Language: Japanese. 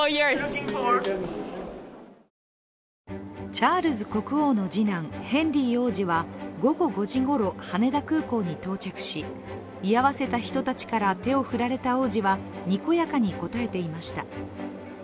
チャールズ国王の次男・ヘンリー王子は午後５時ごろ、羽田空港に到着し、居合わせた人たちから手を振られた王子は、にこやかに応えていました。